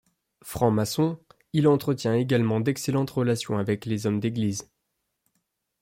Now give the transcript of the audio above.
Franc-maçon, il entretient également d'excellentes relations avec les hommes d'église.